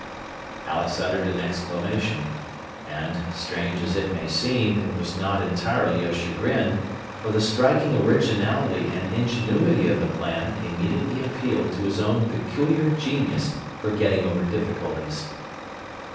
Alex uttered an exclamation. And, strange as it may seem, it was not entirely of chagrin, for the striking originality and ingenuity of the plan immediately appealed to his own peculiar genius for getting over difficulties.